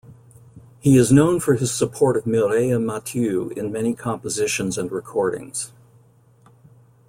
He is known for his support of Mireille Mathieu in many compositions and recordings.